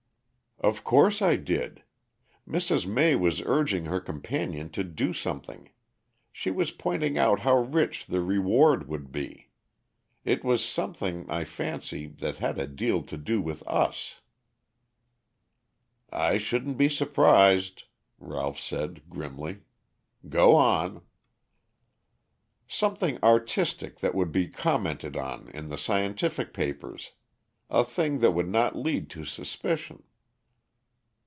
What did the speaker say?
"Of course I did. Mrs. May was urging her companion to do something. She was pointing out how rich the reward would be. It was something, I fancy, that had a deal to do with us." "I shouldn't be surprised," Ralph said grimly. "Go on." "Something artistic that would be commented on in the scientific papers, a thing that would not lead to suspicion."